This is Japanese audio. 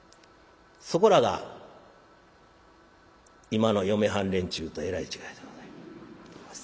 そこらが今の嫁はん連中とえらい違いでございます。